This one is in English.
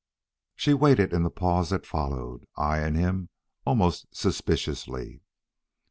She waited in the pause that followed, eyeing him almost suspiciously.